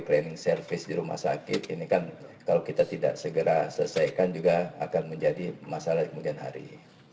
training service di rumah sakit ini kan kalau kita tidak segera selesaikan juga akan menjadi masalah kemudian hari